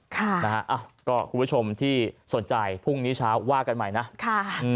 คุณผู้ชมที่สนใจพรุ่งนี้เช้าว่ากันใหม่นะ